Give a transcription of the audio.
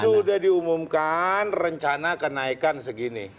sudah diumumkan rencana kenaikan segini